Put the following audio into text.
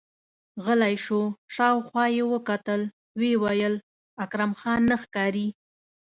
غلی شو، شاوخوا يې وکتل، ويې ويل: اکرم خان نه ښکاري!